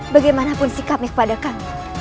bagaimanapun sikapnya kepada kami